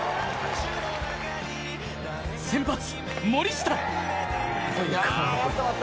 先発・森下！